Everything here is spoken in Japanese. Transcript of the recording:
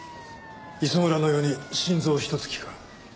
磯村のように心臓をひと突きか。